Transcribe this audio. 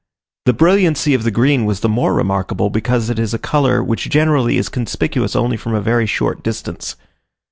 The brilliancy of the green was the more remarkable because it is a colour which generally is conspicuous only from a very short distance.